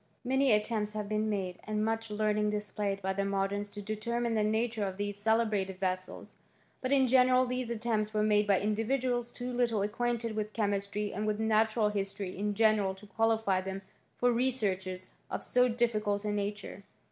Many attempts have been made, and much learning displayed by the modems to determine the nature of these celebrated vessels ; but in general these attempts were made by individuals too little acquainted with chemistry and with natural history in general to qualify them for researches of so difficult a nature.